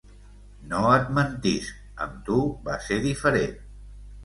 No et mentisc; amb tu, va ser diferent.